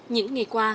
những ngày qua